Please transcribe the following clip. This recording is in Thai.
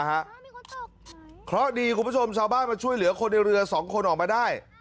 เพราะดีคุณผู้ชมชาวบ้านมาช่วยเหลือคนในเรือสองคนออกมาได้